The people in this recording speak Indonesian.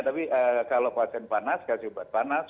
tapi kalau pasien panas kasih obat panas